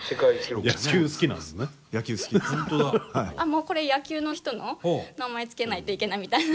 もうこれ野球の人の名前付けないといけないみたいな。